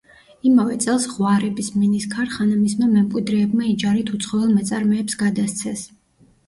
იმავე წელს ღვარების მინის ქარხანა მისმა მემკვიდრეებმა იჯარით უცხოელ მეწარმეებს გადასცეს.